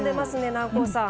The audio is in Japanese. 南光さん。